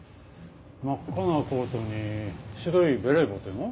真っ赤なコートに白いベレー帽っていうの？